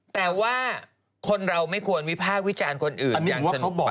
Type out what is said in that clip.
แต่ว่าคนเราไม่ควรวิพากษ์วิจารณ์คนอื่นยังฉนิดหนึ่งบ้าง